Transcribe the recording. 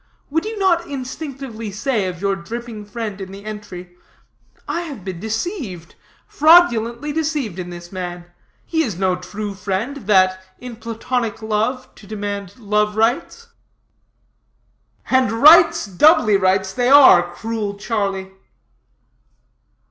Would you not instinctively say of your dripping friend in the entry, 'I have been deceived, fraudulently deceived, in this man; he is no true friend that, in platonic love to demand love rites?'" "And rites, doubly rights, they are, cruel Charlie!"